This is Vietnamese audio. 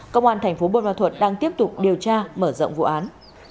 công an thành phố bô ma thuật đang tiếp tục điều tra mở rộng vụ án